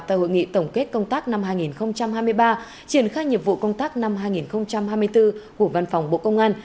tại hội nghị tổng kết công tác năm hai nghìn hai mươi ba triển khai nhiệm vụ công tác năm hai nghìn hai mươi bốn của văn phòng bộ công an